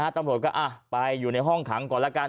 ตำรวจก็ไปอยู่ในห้องขังก่อนละกัน